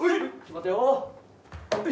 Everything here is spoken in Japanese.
待てよ。